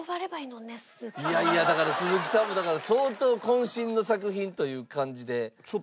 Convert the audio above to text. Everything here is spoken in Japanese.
いやいやだから鈴木さんもだから相当渾身の作品という感じで。